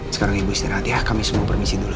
sekarang ibu istirahat ya kami semua permisi dulu